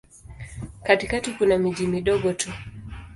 Katikati kuna miji midogo tu.